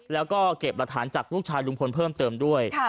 แล้วก็เก็บหลักฐานจากลูกชายลุงพลเพิ่มเติมด้วย